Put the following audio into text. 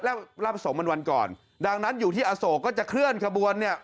รับประสงค์มันวันก่อนดังนั้นอยู่ที่อโศกก็จะเคลื่อนขบวนเนี่ย